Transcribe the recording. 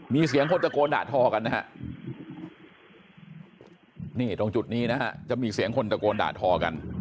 มีเสียงคนตะโกนด่าทอกันนะฮะนี่ตรงจุดนี้นะฮะจะมีเสียงคนตะโกนด่าทอกัน